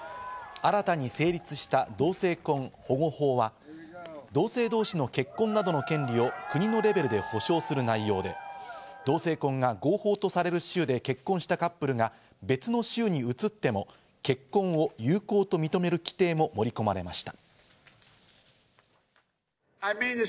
新たに成立した同性婚保護法は同性同士の結婚などの権利を国のレベルで保障する内容で同性婚が合法とされる州で結婚したカップルが別の州に移っても結婚を有効と認める規定も盛り込まれました。